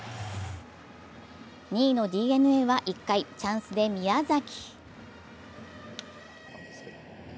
２位のＤｅＮＡは１回、チャンスで宮崎。